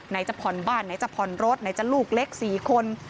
ไหนจะผ่อนบ้านไหนจะผ่อนรถไหนจะลูกเล็ก๔คน